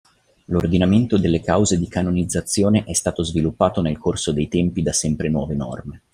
L'Ordinamento delle cause di canonizzazione è stato sviluppato nel corso dei tempi da sempre nuove norme.